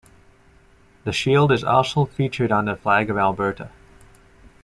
The shield is also featured on the flag of Alberta.